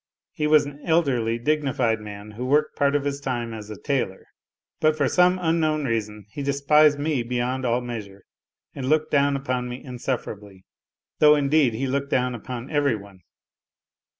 He was an elderly, dignified man, who worked part of his time as a tailor. But for some unknown reason he despised me beyond all measure, and looked down upon me insufferably. Though, indeed, he looked down upon every one.